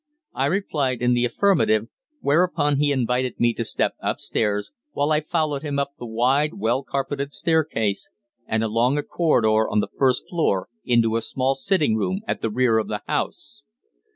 I replied in the affirmative, whereupon he invited me to step upstairs, while I followed him up the wide, well carpeted staircase and along a corridor on the first floor into a small sitting room at the rear of the house.